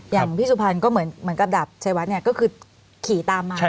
อย่างพี่สุพรรณก็เหมือนกับดาบชายวัดเนี่ยก็คือขี่ตามมา